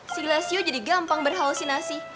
si glesio jadi gampang berhalsinasi